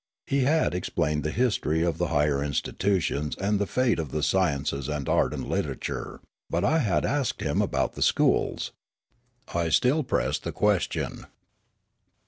He had explained the history of the higher institutions and the fate of the sciences and art and literature; but I had asked him about the schools. I still pressed the ques tion.